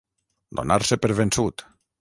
Donar-se per vençut.